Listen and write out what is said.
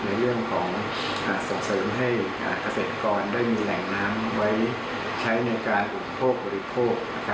ในเรื่องของส่งเสริมให้เกษตรกรได้มีแหล่งน้ำไว้ใช้ในการอุปโภคบริโภค